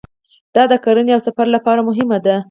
دا د کرنې او سفر لپاره مهم دی.